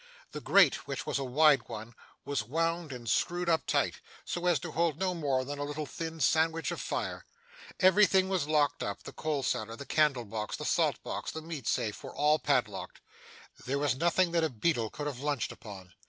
The grate, which was a wide one, was wound and screwed up tight, so as to hold no more than a little thin sandwich of fire. Everything was locked up; the coal cellar, the candle box, the salt box, the meat safe, were all padlocked. There was nothing that a beetle could have lunched upon.